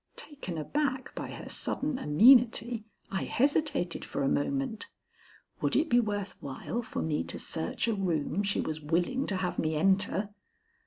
Taken aback by her sudden amenity, I hesitated for a moment. Would it be worth while for me to search a room she was willing to have me enter?